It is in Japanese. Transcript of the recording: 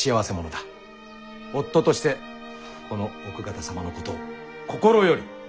夫としてこの奥方様のことを心より。